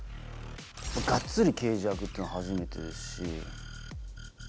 がっつり刑事役っていうのは初めてですし。